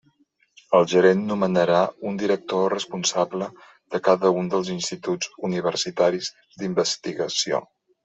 El gerent nomenarà un director o responsable de cada un dels instituts universitaris d'investigació.